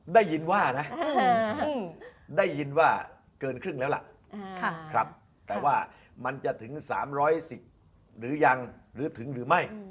ได้ยินว่านะได้ยินว่าเกินครึ่งแล้วล่ะครับแต่ว่ามันจะถึง๓๑๐หรือยังหรือถึงหรือไม่